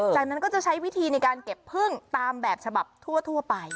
จากนั้นก็จะใช้วิธีในการเก็บพึ่งตามแบบฉบับทั่วไป